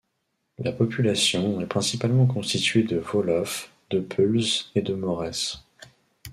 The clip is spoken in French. La population est principalement constituée de Wolofs, de Peuls et de Maures.